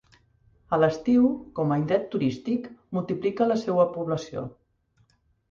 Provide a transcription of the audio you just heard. A l'estiu, com a indret turístic, multiplica la seua població.